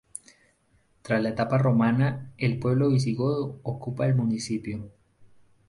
Tras la etapa romana, el pueblo visigodo ocupa el municipio.